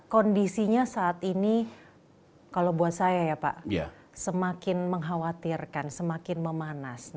kondisinya saat ini kalau buat saya ya pak semakin mengkhawatirkan semakin memanas